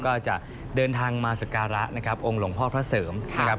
ก็จะเดินทางมาสการะนะครับองค์หลวงพ่อพระเสริมนะครับ